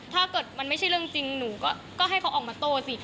ถ้าเกิดมันไม่ใช่เรื่องจริงหนูก็ให้เขาออกมาโต้สิ